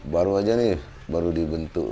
baru aja nih baru dibentuk